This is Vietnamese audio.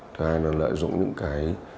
thứ hai là lợi dụng những cái